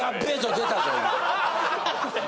出たぞ今。